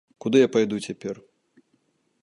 Куды я пайду цяпер?